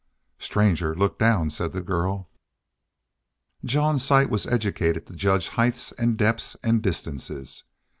"Stranger, look down," said the girl. Jean's sight was educated to judge heights and depths and distances.